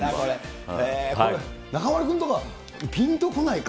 中丸君とか、ぴんとこないか。